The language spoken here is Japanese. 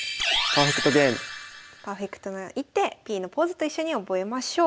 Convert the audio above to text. パーフェクトな一手Ｐのポーズと一緒に覚えましょう。